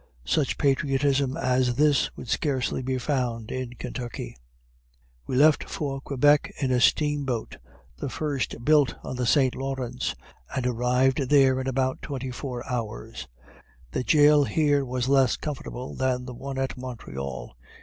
Such patriotism as this would scarcely be found in Kentucky. We left for Quebec in a steam boat, the first built on the St. Lawrence, and arrived there in about twenty four hours. The jail here was less comfortable than the one at Montreal.